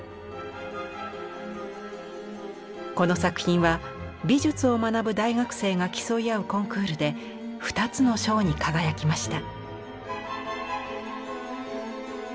この作品は美術を学ぶ大学生が競い合うコンクールで２つの賞に輝きました。